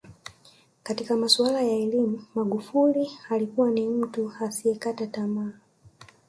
Katika masuala ya elimu Magufuli alikuwa ni mtu asiyekata tamaa